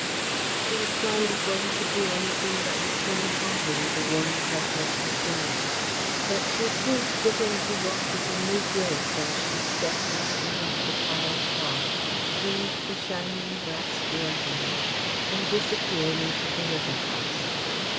She was gone before he could do anything but return heartily the warm pressure of her fingers, but she seemed to him to walk with a new grace as she stepped lightly up the tiled path, turned the shining brass door handle, and disappeared into the Little House.